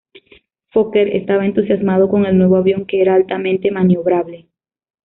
Fokker estaba entusiasmado con el nuevo avión, que era altamente maniobrable.